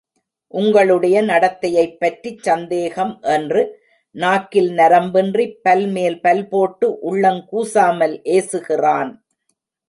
உங்களுடைய நடத்தையைப்பற்றிச் சந்தேகம்! என்று நாக்கில் நரம்பின்றி, பல்மேல் பல்போட்டு, உள்ளங் கூசாமல் ஏசுகிறான்.